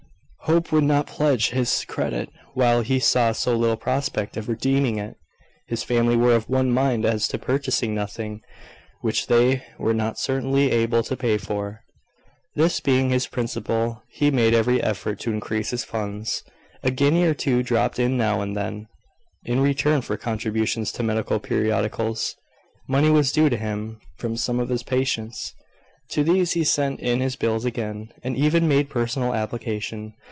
Hope would not pledge his credit while he saw so little prospect of redeeming it. His family were of one mind as to purchasing nothing which they were not certainly able to pay for. This being his principle, he made every effort to increase his funds. A guinea or two dropped in now and then, in return for contributions to medical periodicals. Money was due to him from some of his patients. To these he sent in his bills again, and even made personal application.